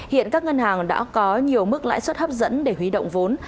hiện các ngân hàng đã có nhiều mức lãi suất hấp dẫn để huy động vốn